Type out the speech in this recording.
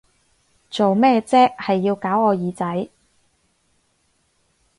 做咩啫，係要搞我耳仔！